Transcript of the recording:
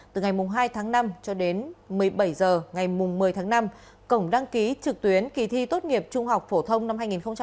từ ngày hai tháng năm cho đến một mươi bảy h ngày một mươi tháng năm cổng đăng ký trực tuyến kỳ thi tốt nghiệp trung học phổ thông năm hai nghìn hai mươi